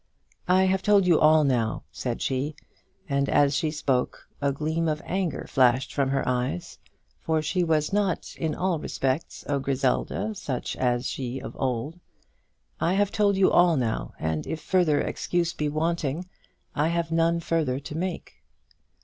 "I have told you all now," said she; and as she spoke, a gleam of anger flashed from her eyes, for she was not in all respects a Griselda such as she of old. "I have told you all now, and if further excuse be wanting, I have none further to make."